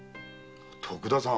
徳田さん？